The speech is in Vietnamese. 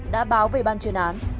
đã báo về ban chuyên án